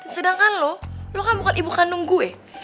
sedangkan lo lo kan bukan ibu kandung gue